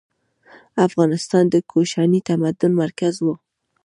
افغانستان د کوشاني تمدن مرکز و.